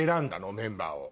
メンバーを。